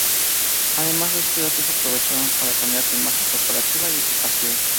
Además, los Coyotes aprovecharon para cambiar su imagen corporativa y equipación.